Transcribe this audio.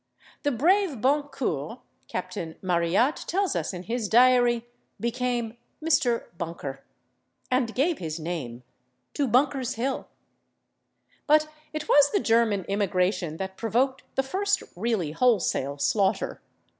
The brave /Bon Coeur/, Captain Marryatt tells us in his Diary, became Mr. /Bunker/, and gave his name to Bunker's Hill." But it was the German immigration that provoked the first really wholesale slaughter.